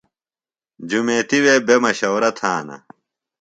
جُمیتیۡ وے بےۡ مشورہ تھانہ۔